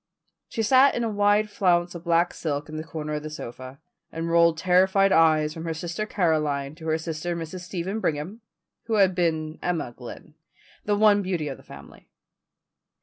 She sat in a wide flounce of black silk in the corner of the sofa, and rolled terrified eyes from her sister Caroline to her sister Mrs. Stephen Brigham, who had been Emma Glynn, the one beauty of the family.